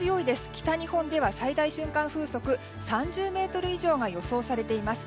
北日本では最大瞬間風速３０メートル以上が予想されています。